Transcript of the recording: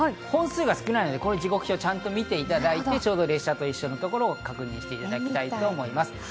本数が少ないので、この時刻表をちゃんと見ていただいて列車と一緒のところを確認していただきたいと思います。